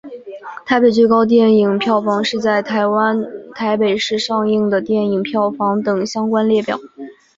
台北最高电影票房是在台湾台北市上映的电影票房等相关列表。